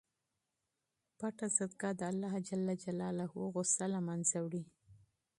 پټه صدقه د اللهﷻ غصه له منځه وړي.